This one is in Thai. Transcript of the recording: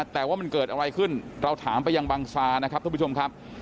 แต่ว่ามันเกิดอะไรขึ้นเราถามไปยังบังซานะครับท่านผู้ชมครับ